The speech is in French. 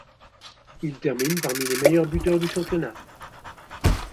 Il termine parmi les meilleurs buteurs du championnat.